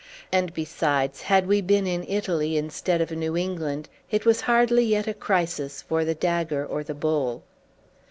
And besides, had we been in Italy, instead of New England, it was hardly yet a crisis for the dagger or the bowl.